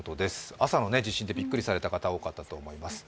朝の地震でびっくりされた方も多いと思います